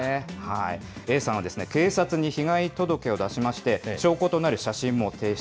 Ａさんは警察に被害届を出しまして、証拠となる写真も提出。